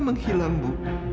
barulah dia pernah marah